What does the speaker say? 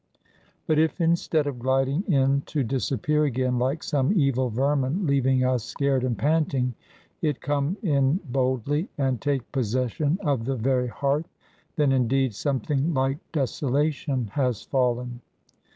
But if, instead of gliding in to disappear again like some evil vermin leaving us scared and panting, it come in boldly and take possession of the very hearth, then, indeed, something like desolation has fallen.